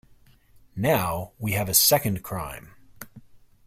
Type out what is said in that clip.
Now we have a second crime.